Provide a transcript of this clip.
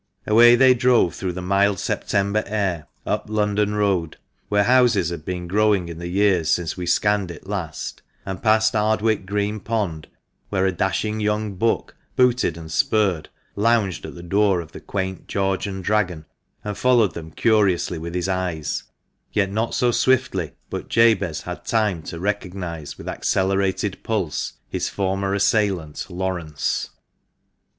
Away they drove through the mild September air, up London Road (where houses had been growing in the years since we 236 THE MANCHESTER MAN. scanned it last) and past Ardwick Green Pond, where a dashing young buck, booted and spurred, lounged at the door of the quaint " George and Dragon," and followed them curiously with his eyes ; yet not so swiftly but Jabez had time to recognise with accelerated pulse his former assailant, Laurence.